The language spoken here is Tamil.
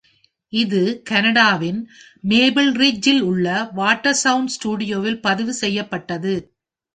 இது கனடாவின் மேப்பிள் ரிட்ஜில் உள்ள வாட்டர்சவுண்ட் ஸ்டுடியோவில் பதிவு செய்யப்பட்டது.